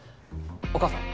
お母さん。